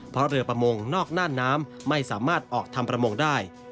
เพราะเรือประมงนอกน่านน้ำไม่สามารถออกทำประมงได้